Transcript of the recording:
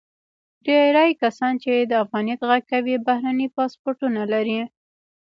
ډیری کسان چې د افغانیت غږ کوي، بهرني پاسپورتونه لري.